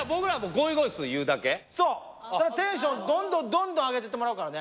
じゃあテンションどんどんどんどん上げてってもらうからね。